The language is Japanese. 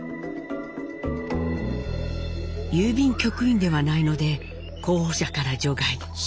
郵便局員ではないので候補者から除外。